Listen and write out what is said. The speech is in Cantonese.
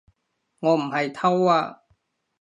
我唔係偷啊